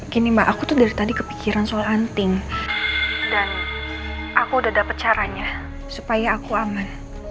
gini mbak aku tuh dari tadi kepikiran soal anting dan aku udah dapat caranya supaya aku aman